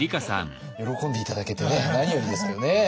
喜んで頂けてね何よりですけどね。